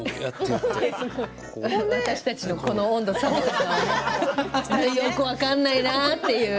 私たちとのこの温度差よく分かんないっていう。